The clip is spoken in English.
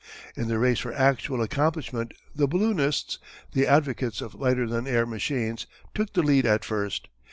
In the race for actual accomplishment the balloonists, the advocates of lighter than air machines, took the lead at first.